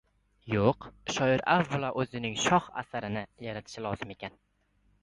Yo‘q, shoir avvalo o‘zining shoh asarini yaratishi lozim ekan.